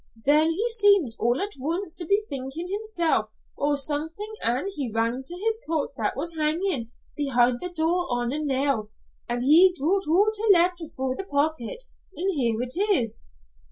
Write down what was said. "Then he seemed all at once to bethink himsel' o' something, an' he ran to his coat that was hangin' behind the door on a nail, an' he drew oot a letter fra the pocket, an' here it is.